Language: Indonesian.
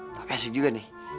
tak kasih juga nih